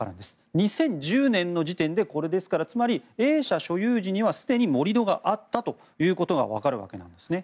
２０１０年の時点でこれですからつまり、Ａ社所有時にはすでに盛り土があったことがわかるんですね。